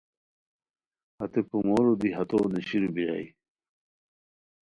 ہتے کومورو دی ہتوؤ نیشیرو بیرائے